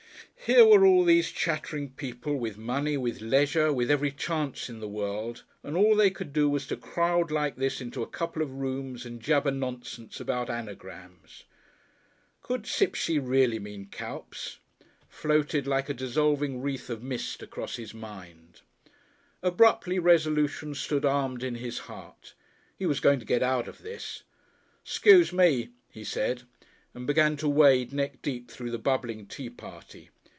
Here were all these chattering people, with money, with leisure, with every chance in the world, and all they could do was to crowd like this into a couple of rooms and jabber nonsense about anagrams. "Could Cypshi really mean Cuyps?" floated like a dissolving wreath of mist across his mind. Abruptly resolution stood armed in his heart. He was going to get out of this! "'Scuse me," he said, and began to wade neck deep through the bubbling tea party.